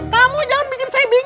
kamu jangan bikin saya bingung